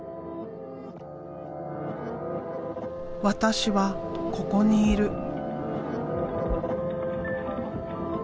私はここにいる。